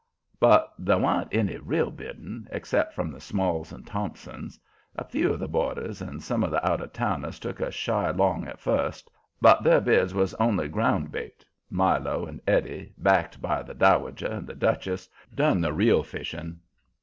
But there wa'n't any real bidding except from the Smalls and Thompsons. A few of the boarders and some of the out of towners took a shy long at first, but their bids was only ground bait. Milo and Eddie, backed by the Dowager and the Duchess, done the real fishing.